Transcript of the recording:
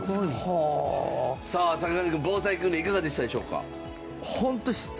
さあ坂上くん防災訓練いかがでしたでしょうか？